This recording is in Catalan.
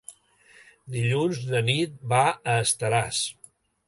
Dilluns na Nit va a Estaràs.